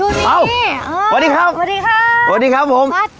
อยู่นี่โอ้โฮสวัสดีครับสวัสดีครับสวัสดีครับผมโอ้โฮ